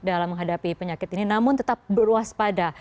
dalam menghadapi penyakit ini namun tetap berwaspada